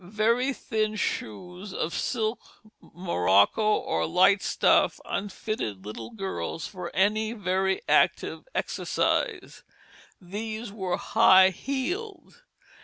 Very thin shoes of silk, morocco, or light stuff unfitted little girls for any very active exercise; these were high heeled.